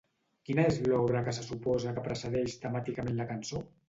Quina és l'obra que se suposa que precedeix temàticament la cançó?